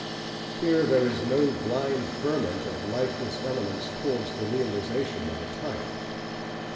Here there is no blind ferment of lifeless elements towards the realisation of a type.